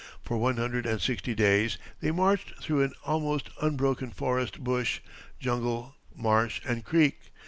For one hundred and sixty days they marched through an almost unbroken forest bush, jungle, marsh, and creek.